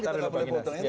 kita udah boleh potong